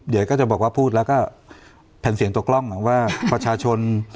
เดี๋ยวก็จะบอกว่าพูดแล้วก็แผ่นเสียงตัวกล้องว่าประชาชน